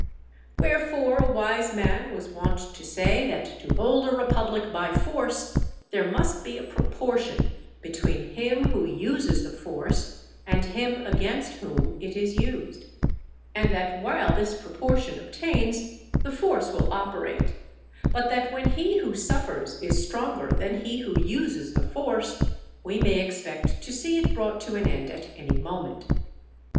Wherefore, a wise man was wont to say that to hold a republic by force, there must be a proportion between him who uses the force and him against whom it is used; and that while this proportion obtains the force will operate; but that when he who suffers is stronger than he who uses the force, we may expect to see it brought to an end at any moment.